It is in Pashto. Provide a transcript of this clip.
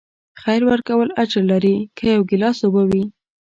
خیر ورکول اجر لري، که یو ګیلاس اوبه وي.